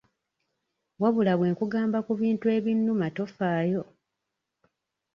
Wabula bwe nkugamba ku bintu ebinnuma tofaayo.